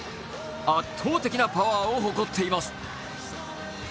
圧倒的なパワーを誇っています。